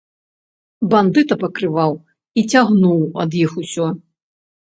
Бандыта пакрываў і цягнуў ад іх усё.